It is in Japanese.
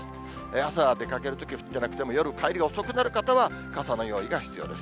朝出かけるとき降ってなくても、夜帰りが遅くなる方は、傘の用意が必要です。